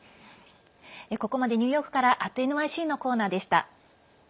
ここまでニューヨークから「＠ｎｙｃ」のコーナーでした。